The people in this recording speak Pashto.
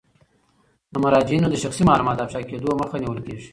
د مراجعینو د شخصي معلوماتو د افشا کیدو مخه نیول کیږي.